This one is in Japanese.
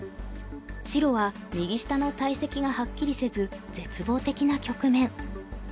白は右下の大石がはっきりせず絶望的な局面。